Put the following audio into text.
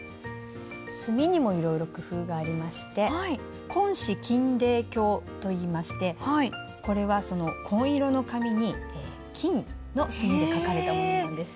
墨にもいろいろ工夫がありまして紺紙金泥経といいましてこれは紺色の紙に金の墨で書かれたものなんです。